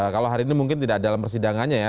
kalau hari ini mungkin tidak dalam persidangannya ya